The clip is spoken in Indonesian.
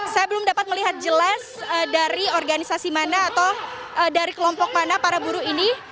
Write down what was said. saya belum dapat melihat jelas dari organisasi mana atau dari kelompok mana para buruh ini